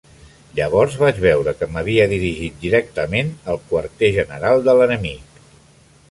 Llavors vaig veure que m'havia dirigit directament al quarter general de l'enemic.